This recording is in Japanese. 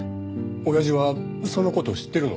親父はその事知ってるの？